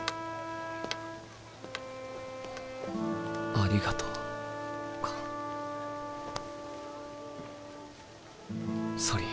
「ありがとう」か。ソリー。